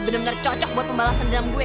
bener bener cocok buat pembalasan drum gue